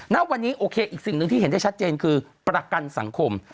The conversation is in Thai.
ณวันนี้โอเคอีกสิ่งหนึ่งที่เห็นได้ชัดเจนคือประกันสังคม